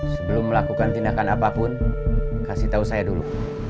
sebelum melakukan tindakan apapun kasih tahu saya dulu